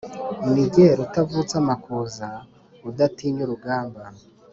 Ni jye Rutavutsamakuza udatinya urugamba